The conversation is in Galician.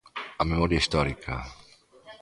A memoria histórica.